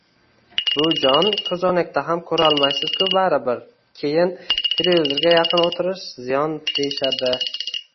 — Buvijon, koʻzoynakda ham koʻrolmaysiz-ku baribir, keyin... televizorga yaqin oʻtirish ziyon deyishadi.